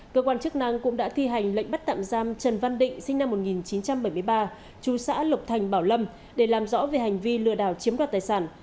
cơ quan chức năng cũng đã thi hành lệnh bắt tạm giam trần văn định sinh năm một nghìn chín trăm bảy mươi ba chú xã lộc thành bảo lâm để làm rõ về hành vi lừa đảo chiếm đoạt tài sản